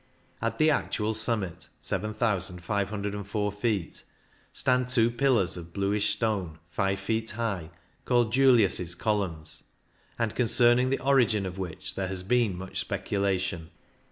At the actual summit (7,504 ft.) stand two pillars of bluish stone five feet high, called Julius's columns, and concerning the origin of which there has been much speculation.